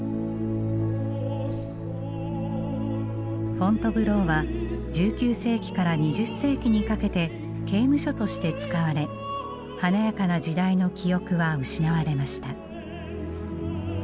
フォントヴローは１９世紀から２０世紀にかけて刑務所として使われ華やかな時代の記憶は失われました。